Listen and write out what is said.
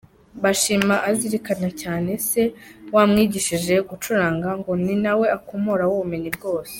Bashima azirikana cyane se wamwigishije gucuranga, ngo ni na we akomoraho ubumenyi bwose.